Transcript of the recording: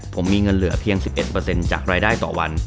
ผมมีเงินเหลือเพียง๑๑จากรายได้ต่อวัน